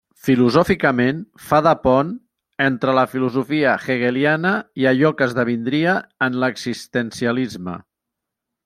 Filosòficament, fa de pont entre la filosofia hegeliana i allò que esdevindria en l'existencialisme.